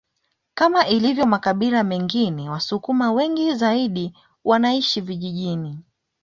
Kama ilivyo makabila mengine wasukuma wengi zaidi wanaishi vijijini